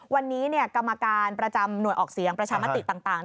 วันนี้กรรมการประจำหน่วยออกเสียงประชามติต่าง